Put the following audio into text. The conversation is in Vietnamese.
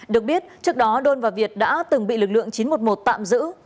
được biết trước đó đôn và việt đã từng bị lực lượng chín trăm một mươi một tạm giữ